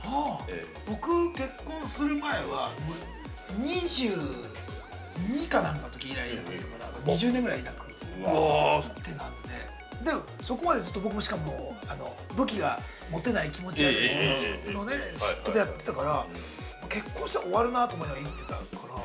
◆僕、結婚する前は２２かなんかのとき以来だから２０年ぐらいいなくて、なんでそこまで、ずっと僕もしかも、武器がモテない気持ち悪い卑屈の嫉妬でやってたから結婚したら終わるなと思いながら生きてたから。